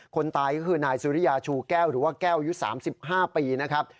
คนตายก็คือนายสุริยาชูแก้วหรือว่าแก้วอายุ๓๕ปีนะครับ